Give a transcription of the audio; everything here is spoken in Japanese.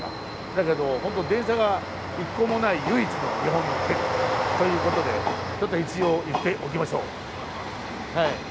だけどホント電車が一個もない唯一の日本の県ということでちょっと一応言っておきましょう。